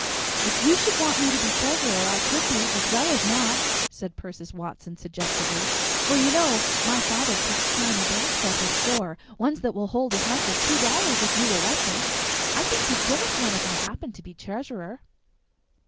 "If you should want me to be treasurer, I could be, as well as not," said Persis Watson suggestively; "for you know my father keeps china banks at his store ones that will hold as much as two dollars if you will let them. I think he'd give us one if I happen to be treasurer."